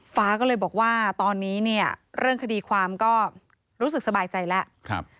ฟ้าก็เลยบอกว่าตอนนี้เนี่ยเรื่องคดีความก็รู้สึกสบายใจแล้ว